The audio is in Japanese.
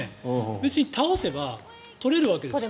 別に倒せば取れるわけですよ。